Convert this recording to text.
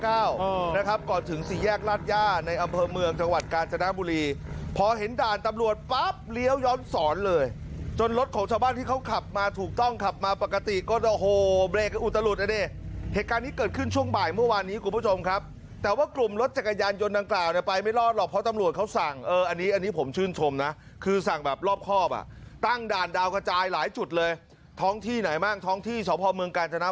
หลังสามหนึ่งเก้าเก้านะครับก่อนถึงสี่แยกลาดย่าในอำเภอเมืองจังหวัดกาญจนบุรีพอเห็นด่านตำรวจปั๊บเลี้ยวย้อนสอนเลยจนรถของชาวบ้านที่เขาขับมาถูกต้องขับมาปกติก็โหเบรกอุตลุดอันเนี้ยเหตุการณ์นี้เกิดขึ้นช่วงบ่ายเมื่อวานนี้คุณผู้ชมครับแต่ว่ากลุ่มรถจักรยานยนต์ดังกล่าวเน